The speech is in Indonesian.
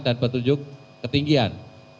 dan petunjuk ketinggian